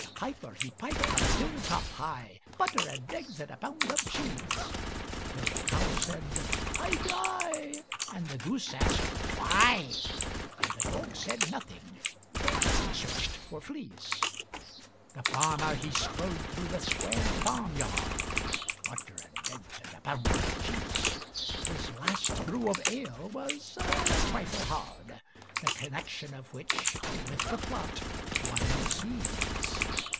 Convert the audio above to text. The piper he pipŌĆÖd on the hill top high, (Butter and eggs and a pound of cheese) Till the cow said, ŌĆ£I die, ŌĆØ and the goose asked ŌĆ£Why? ŌĆØ And the dog said nothing, but searchŌĆÖd for fleas. The farmer he strode through the square farmyard; (Butter and eggs and a pound of cheese) His last brew of ale was a trifle hard, The connection of which with the plot one sees.